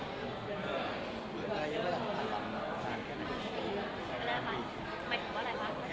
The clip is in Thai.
เมื่อไหร่คุณกลับกลับมากก็ไม่ได้